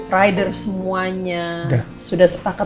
rider semuanya sudah sepakat